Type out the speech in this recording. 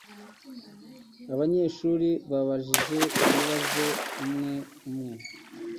Abanyeshuri babajije ibibazo umwe umwe.